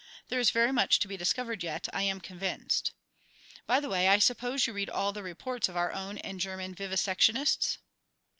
There is very much to be discovered yet, I am convinced. By the way, I suppose you read all the reports of our own and German vivisectionists?"